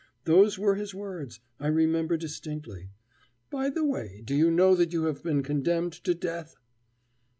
Those were his words I remember distinctly. "By the way, do you know that you have been condemned to death?"